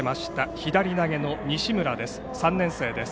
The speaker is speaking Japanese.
左投げの西村です。